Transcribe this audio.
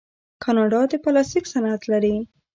کاناډا د پلاستیک صنعت لري.